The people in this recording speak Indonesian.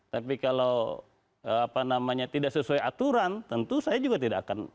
tapi kalau tidak sesuai aturan tentu saya juga tidak akan